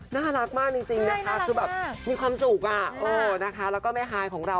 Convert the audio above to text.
น่ารักมากจริงนะคะคือแบบมีความสุขนะคะแล้วก็แม่ฮายของเรา